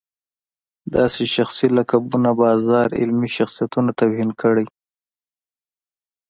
داسې شخصي لقبونو بازار علمي شخصیتونو توهین کړی.